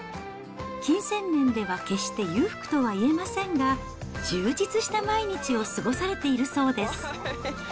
金銭面では決して裕福とはいえませんが、充実した毎日を過ごされているそうです。